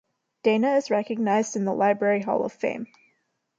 Dana is recognized in the Library Hall of Fame.